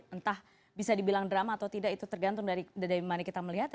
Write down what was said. entah bisa dibilang drama atau tidak itu tergantung dari mana kita melihatnya